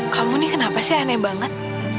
kamu nih kenapa sih aneh banget